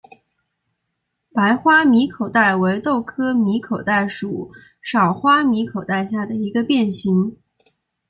白花米口袋为豆科米口袋属少花米口袋下的一个变型。